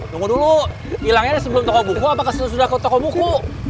tunggu dulu hilangnya sebelum toko buku apakah sudah ke toko buku